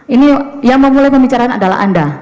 ini yang memulai membicarakan adalah anda